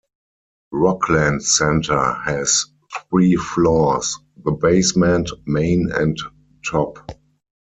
Rockland Centre has three floors; the basement, main and top.